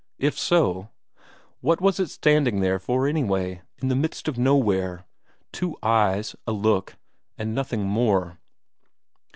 If so, what was it standing there for anyway, in the midst of nowhere; two eyes, a look, and nothing more?